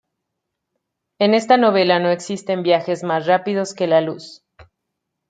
En esta novela no existen viajes más rápidos que la luz.